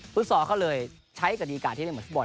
ฟุตซอลเขาเลยใช้กฎีการที่เล่นหมดฟุตบอล